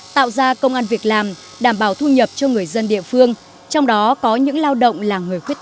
tạo ra công an việc làm đảm bảo thu nhập cho người dân địa phương trong đó có những lao động là người khuyết tật